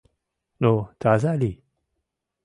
— Ну, таза лий!